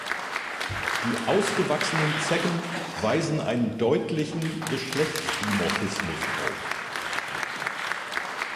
Die ausgewachsenen Zecken weisen einen deutlichen Geschlechtsdimorphismus auf.